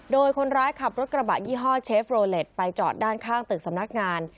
โดยคนร้ายขับรถกระบะยี่ห้อเชฟโรเล็ตไปจอดด้านข้างตึกสำนักงาน